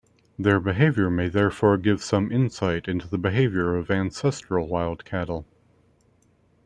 Their behaviour may therefore give some insight into the behaviour of ancestral wild cattle.